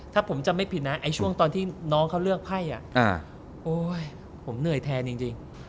ถ้าผมจำไม่ผิดนะไอ้ช่วงตอนที่น้องเขาเลือกไพ่โอ๊ยผมเหนื่อยแทนจริง